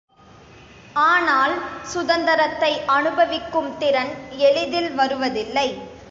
ஆனால் சுதந்தரத்தை அனுபவிக்கும் திறன் எளிதில் வருவதில்லை.